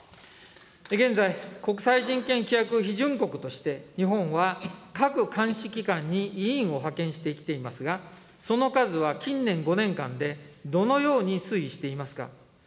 現在、国際人権規約批准国として、日本は各監視機関に委員を派遣してきていますが、その数は近年５年間でどのように推移していますか。